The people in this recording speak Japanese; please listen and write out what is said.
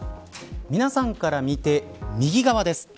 皆さんから見て右側です。